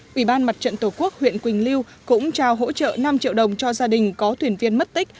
quỹ ban mặt trận tổ quốc huyện quỳnh lưu cũng trao hỗ trợ năm triệu đồng cho gia đình có thuyền viên mất tích